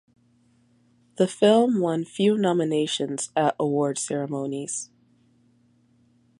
The film won few nominations at award ceremonies.